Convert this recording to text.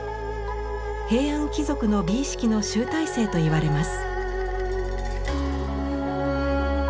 平安貴族の美意識の集大成といわれます。